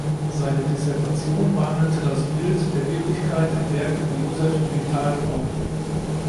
Seine Dissertation behandelte das Bild der Wirklichkeit im Werk von Josef Vital Kopp.